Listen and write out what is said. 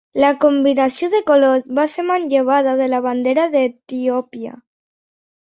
La combinació de colors va ser manllevada de la bandera d'Etiòpia.